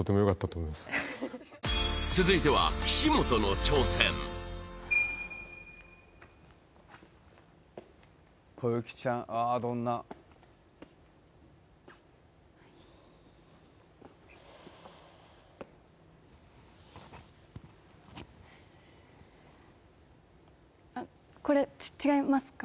続いては岸本の挑戦あっこれ違いますか？